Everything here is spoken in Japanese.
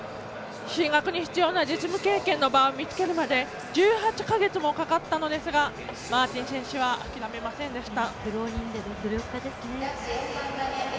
進学に必要な実務経験の場を見つけるまで１８か月もかかったのですがマーティン選手は諦めませんでした。